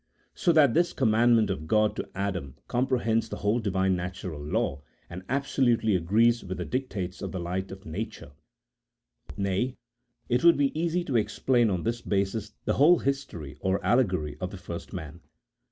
So that this com mandment of God to Adam comprehends the whole Divine natural law, and absolutely agrees with the dictates of the light of nature ; nay, it would be easy to explain on this basis the whole history or allegory of the first man.